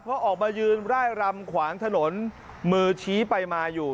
เพราะออกมายืนร่ายรำขวางถนนมือชี้ไปมาอยู่